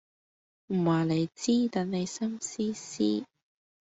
唔話你知，等你心思思